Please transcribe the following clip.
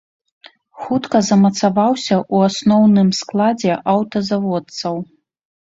Хутка замацаваўся ў асноўным складзе аўтазаводцаў.